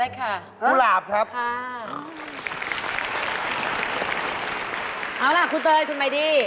นี่คือคำถามข้อแรกของคุณค่ะ